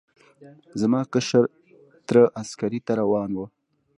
زما کشر تره عسکرۍ ته روان و.